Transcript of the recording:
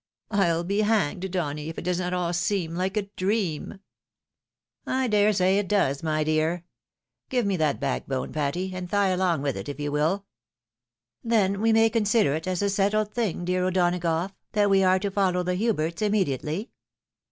I'U be hanged, Donny, if it does not all seem like a dream I " COMFORTING ASSURAKCB. 79 " I dare say it does, my dear. Give me that back bone, Patty, and thigh along with it, if you will." ." Then we may consider it as a settled thing, dear O'Dona gough, that we are to follow the Huberts immediately